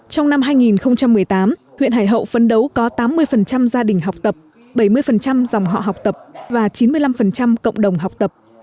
trong năm hai nghìn một mươi tám huyện hải hậu phấn đấu có tám mươi gia đình học tập bảy mươi dòng họ học tập và chín mươi năm cộng đồng học tập